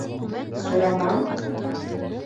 — Сураман!